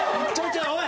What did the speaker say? おい！